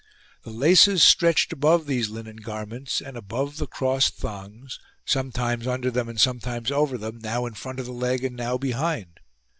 The laces stretched above these linen garments and above the crossed thongs, sometimes under them and sometimes over them, now in front of the leg and now behind.